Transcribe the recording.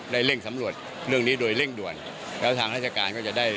เร่งสำรวจเรื่องนี้โดยเร่งด่วนแล้วทางราชการก็จะได้